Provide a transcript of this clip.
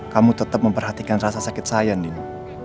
kamu tetep memperhatikan rasa sakit saya nino